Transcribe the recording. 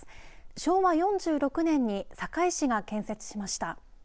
昭和４６年に堺市が建設しました。